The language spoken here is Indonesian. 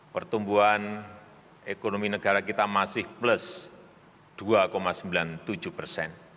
pertumbuhan ekonomi negara kita masih plus dua sembilan puluh tujuh persen